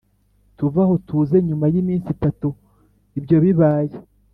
tuve aho tuze nyuma y’iminsi itatu ibyo bibaye